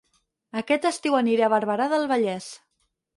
Aquest estiu aniré a Barberà del Vallès